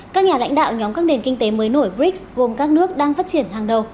các nhà lãnh đạo nhóm các nền kinh tế mới nổi brics gồm các nước đang phát triển hàng đầu